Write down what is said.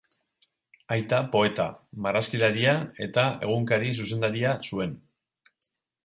Aita poeta, marrazkilaria eta egunkari-zuzendaria zuen.